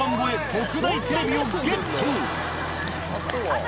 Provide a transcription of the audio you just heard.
特大テレビをゲット。